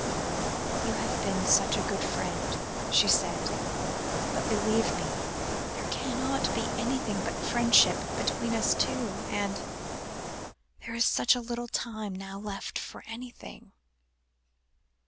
"You have been such a good friend," she said; "but believe me, there cannot ever be anything but friendship between us two and there is such a little time now left for anything."